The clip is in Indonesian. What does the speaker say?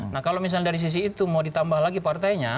nah kalau misalnya dari sisi itu mau ditambah lagi partainya